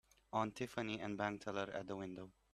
Aunt Tiffany and bank teller at the window.